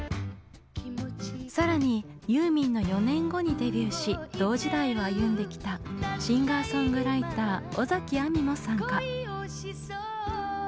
更にユーミンの４年後にデビューし同時代を歩んできたシンガーソングライター尾崎亜美も参加。